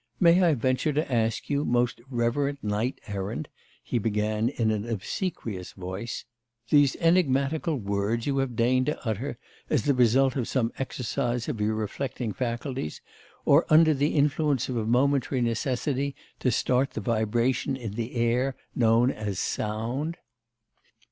'May I venture to ask you, most reverend knight errant,' he began in an obsequious voice, 'these enigmatical words you have deigned to utter as the result of some exercise of your reflecting faculties, or under the influence of a momentary necessity to start the vibration in the air known as sound?